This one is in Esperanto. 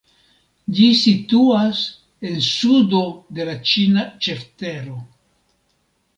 Ĝi situas en sudo de la ĉina ĉeftero.